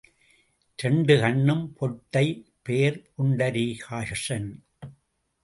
இரண்டு கண்ணும் பொட்டை பெயர் புண்டரீகாக்ஷன்.